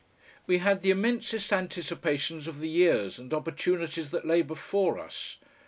We had the immensest anticipations of the years and opportunities that lay before us.